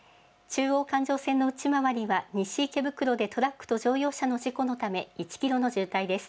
中央環状線の内回りは西池袋でトラックと乗用車の事故のため、１キロの渋滞です。